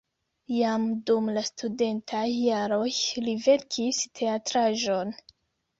Jam dum la studentaj jaroj li verkis teatraĵon.